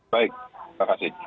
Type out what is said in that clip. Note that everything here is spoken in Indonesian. baik terima kasih